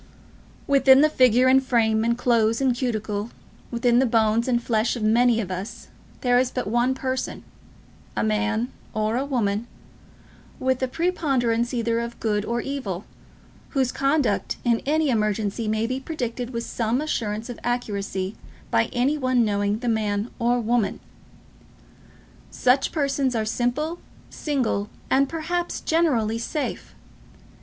Within the figure and frame and clothes and cuticle, within the bones and flesh of many of us, there is but one person, a man or woman, with a preponderance either of good or evil, whose conduct in any emergency may be predicted with some assurance of accuracy by any one knowing the man or woman. Such persons are simple, single, and, perhaps, generally, safe.